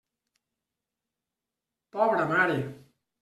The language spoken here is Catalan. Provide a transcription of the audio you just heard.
Pobra mare!